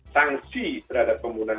sanksi terhadap penggunaan